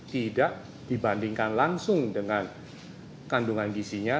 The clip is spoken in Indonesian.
tidak dibandingkan langsung dengan kandungan gisinya